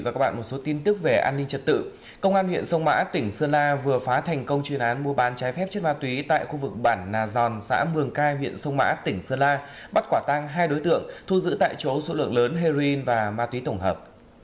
công an huyện sông mã tỉnh sơn la vừa phá thành công chuyên án mua bán trái phép chất ma túy tại khu vực bản nà giòn xã mường cai huyện sông mã tỉnh sơn la bắt quả tang hai đối tượng thu giữ tại chỗ số lượng lớn heroin và ma túy tổng hợp